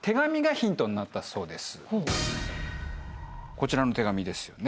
こちらの手紙ですよね。